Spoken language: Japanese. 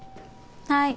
はい。